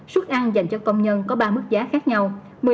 suất ăn dành cho công nhân có ba mức giá khác nhau